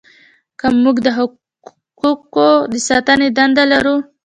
که موږ د حقوقو د ساتنې دنده لرو.